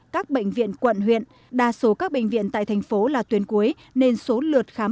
các bệnh viện quận huyện đa số các bệnh viện tại thành phố là tuyến cuối nên số lượt khám